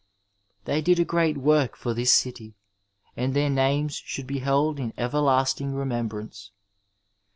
They did a great work for this city, and their names should be held in everlasting remembrance.